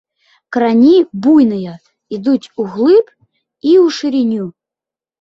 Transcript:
Карані буйныя, ідуць углыб і ў шырыню.